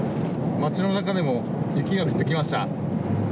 街の中でも雪が降ってきました。